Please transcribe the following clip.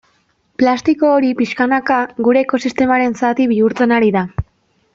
Plastiko hori pixkanaka gure ekosistemaren zati bihurtzen ari da.